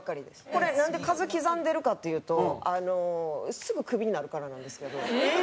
これなんで数刻んでるかというとあのすぐクビになるからなんですけど。